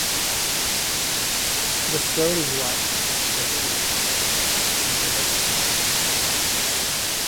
The throat is white, the bill is yellowish, and the legs are green.